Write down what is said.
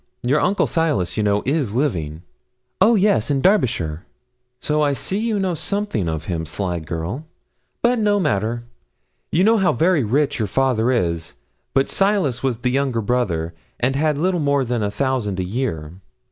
Your uncle Silas, you know, is living?' 'Oh yes, in Derbyshire.' 'So I see you do know something of him, sly girl! but no matter. You know how very rich your father is; but Silas was the younger brother, and had little more than a thousand a year.